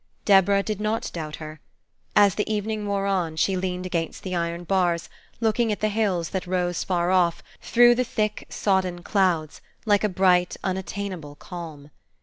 Deborah did not doubt her. As the evening wore on, she leaned against the iron bars, looking at the hills that rose far off, through the thick sodden clouds, like a bright, unattainable calm.